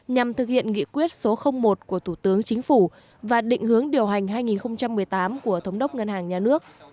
nhằm thực hiện nghị quyết số một của thủ tướng chính phủ và định hướng điều hành hai nghìn một mươi tám của thống đốc ngân hàng nhà nước